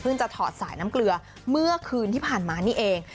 จะถอดสายน้ำเกลือเมื่อคืนที่ผ่านมานี่เอง